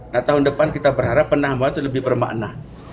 nah tahun depan kita berharap penambahan itu lebih bermakna